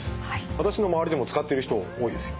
私の周りでも使ってる人多いですよ。